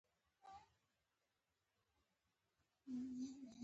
سور چارخانه دستمال یې په سر تړلی وي.